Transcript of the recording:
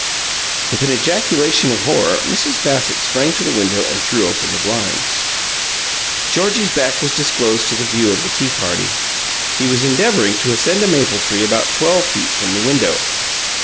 With an ejaculation of horror, Mrs. Bassett sprang to the window and threw open the blinds. Georgie's back was disclosed to the view of the tea party. He was endeavouring to ascend a maple tree about twelve feet from the window.